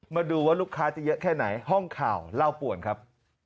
มาดูว่าลูกค้าจะเยอะแค่ไหนห้องข่าวเล่าป่วนครับ